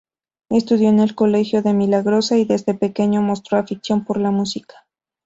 Estudió en el "Colegio La Milagrosa" y desde pequeño mostró afición por la música.